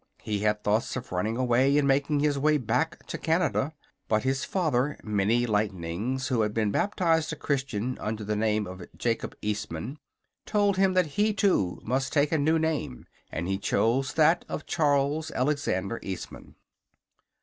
He had thoughts of running away and making his way back to Canada. But his father, Many Lightnings, who had been baptized a Christian under the name of Jacob Eastman, told him that he, too, must take a new name, and he chose that of Charles Alexander Eastman.